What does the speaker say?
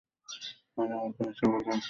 আমাদের মুখের হাসিগুলো ক্ষমা করে দাও।